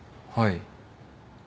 はい。